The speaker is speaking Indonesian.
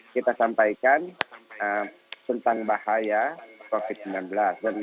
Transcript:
kita sampaikan tentang bahaya covid sembilan belas